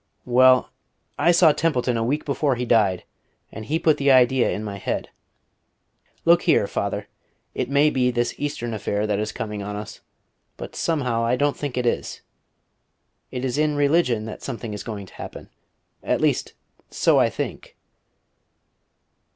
"Well, I saw Templeton a week before he died, and he put the idea in my head.... Look here, father. It may be this Eastern affair that is coming on us; but somehow I don't think it is. It is in religion that something is going to happen. At least, so I think....